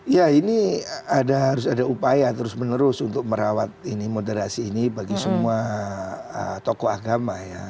ya ini harus ada upaya terus menerus untuk merawat moderasi ini bagi semua tokoh agama ya